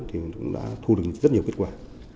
thì cũng đã thu được rất nhiều kết quả